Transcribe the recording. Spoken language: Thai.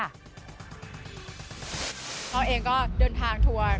พ่อเองก็เดินทางทัวร์